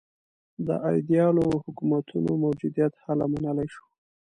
د ایدیالو حکومتونو موجودیت هله منلای شو.